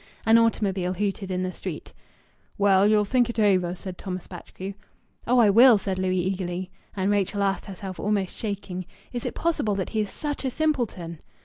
An automobile hooted in the street. "Well, ye'll think it over," said Thomas Batchgrew. "Oh I will!" said Louis eagerly. And Rachel asked herself, almost shaking "Is it possible that he is such a simpleton?"